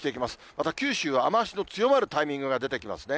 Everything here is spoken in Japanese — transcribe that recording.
また九州、雨足の強まるタイミングが出てきますね。